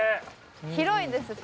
広いですし。